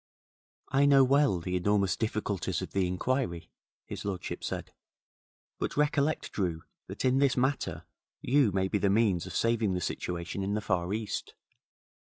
'I know well the enormous difficulties of the inquiry,' his lordship said; 'but recollect, Drew, that in this matter you may be the means of saving the situation in the Far East.